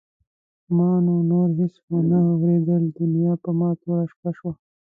ما نو نور هېڅ وانه ورېدل دنیا پر ما توره شپه شوه.